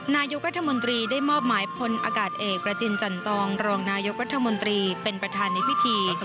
นายกรัฐมนตรีได้มอบหมายพลอากาศเอกประจินจันตองรองนายกรัฐมนตรีเป็นประธานในพิธี